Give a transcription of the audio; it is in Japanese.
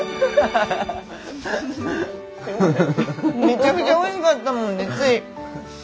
めちゃくちゃおいしかったもんでつい。